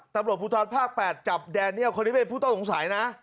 ตำรวจภูทรภาค๘จับแดเนียลคนนี้เป็นผู้ต้องสงสัยนะ